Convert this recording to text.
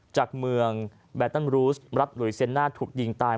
จากเมืองแบตเติ้ลรูสมรัฐหรือเซียนนาทถูกยิงตาย